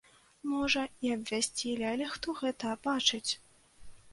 Можа, і абвясцілі, але хто гэта бачыць?